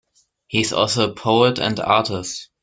He is also a poet and artist.